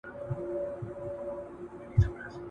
هغه روبوټ چې په فابریکه کې دی په ډېر دقت سره حرکت کوي.